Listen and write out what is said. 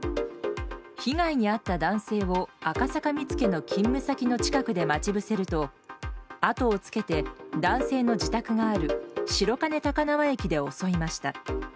被害に遭った男性を赤坂見附の勤務先の近くで待ち伏せるとあとをつけて男性の自宅がある白金高輪駅で襲いました。